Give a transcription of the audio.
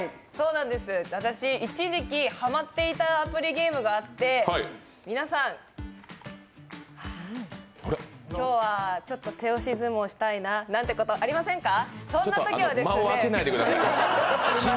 私、一時期ハマっていたアプリゲームがあって、皆さん今日はちょっと手押し相撲したいななんてことありませんか？